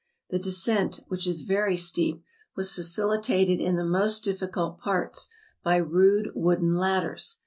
The descent, which is very steep, was facilitated in the most difficult parts, by rude wooden ladders.